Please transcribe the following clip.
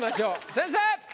先生！